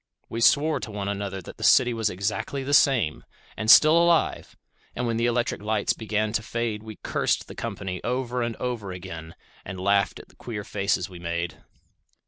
We sware to one another that the city was exactly the same, and still alive; and when the electric lights began to fade we cursed the company over and over again, and laughed at the queer faces we made.